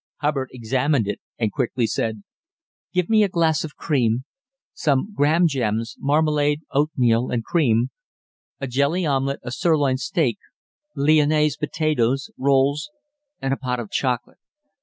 Hubbard examined it and quickly said: "Give me a glass of cream, some graham gems, marmalade, oatmeal and cream, a jelly omelette, a sirloin steak, lyonnaise potatoes, rolls, and a pot of chocolate.